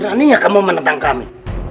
beraninya kamu menentang kami